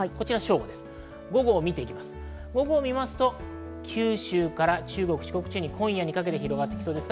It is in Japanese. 午後を見ると九州から中国、四国地方に今夜にかけて広がってきそうです。